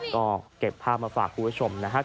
ก็เก็บภาพมาฝากคุณผู้ชมนะครับ